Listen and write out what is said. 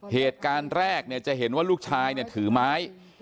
เหตุการณ์แรกจะเห็นว่าลูกชายถือไม้